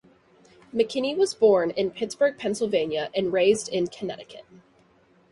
McKinney was born in Pittsburgh, Pennsylvania and raised in Connecticut.